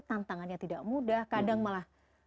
tantangannya tidak mudah kadang malah